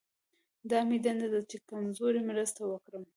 دا مې دنده ده چې د کمزوري مرسته وکړم.